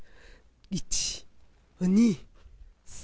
１、２、３。